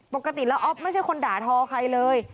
ปกติแล้วอ๊อฟไม่ใช่คนด่าทอใครเลย